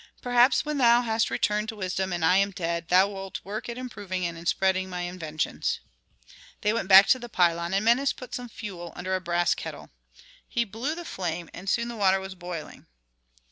Perhaps when thou hast returned to wisdom, and I am dead, thou wilt work at improving and spreading my inventions." They went back to the pylon, and Menes put some fuel under a brass kettle. He blew the flame and soon the water was boiling.